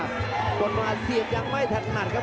จนมาเสียบยังไม่ถนัดครับ